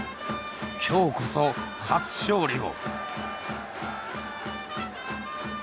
今日こそ初勝利を。